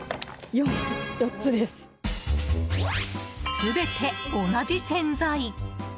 全て同じ洗剤。